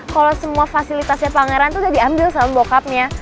kalo semua fasilitasnya pangeran tuh udah diambil sama bokapnya